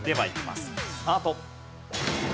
スタート。